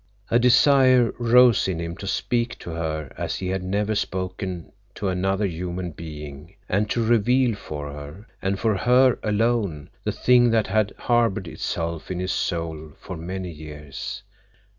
A desire rose in him to speak to her as he had never spoken to another human being, and to reveal for her—and for her alone—the thing that had harbored itself in his soul for many years.